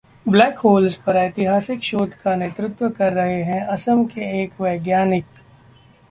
black holes पर ऐतिहासिक शोध का नेतृत्व कर रहे हैं असम के एक वैज्ञानिक